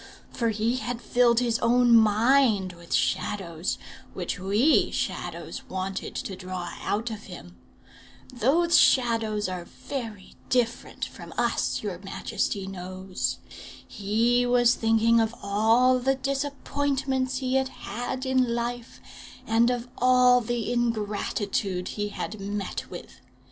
For he had filled his own mind with shadows, which we Shadows wanted to draw out of him. Those shadows are very different from us, your majesty knows. He was thinking of all the disappointments he had had in life, and of all the ingratitude he had met with.